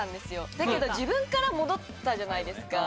だけど自分から戻ったじゃないですか